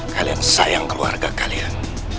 kalian sayang keluarga kalian